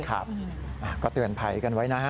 ครับก็เตือนภัยกันไว้นะฮะ